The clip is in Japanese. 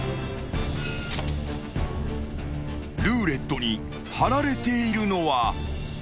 ［ルーレットにはられているのは］